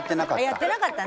やってなかったな。